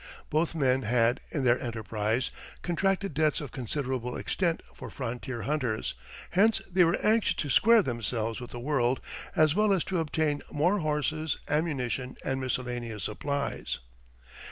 Both men had, in their enterprise, contracted debts of considerable extent for frontier hunters, hence they were anxious to square themselves with the world, as well as to obtain more horses, ammunition, and miscellaneous supplies.